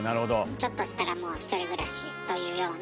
ちょっとしたらもう１人暮らしというような。